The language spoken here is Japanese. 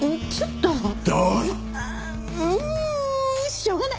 うんしょうがない！